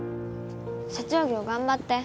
社長業頑張って